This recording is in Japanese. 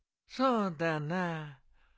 そうだな。